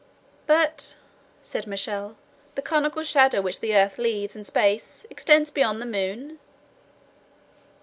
"But," said Michel, "the conical shadow which the earth leaves in space extends beyond the moon?"